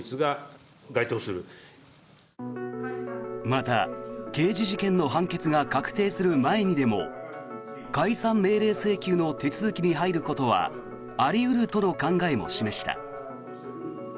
また、刑事事件の判決が確定する前にでも解散命令請求の手続きに入ることはあり得るとの考えも示した。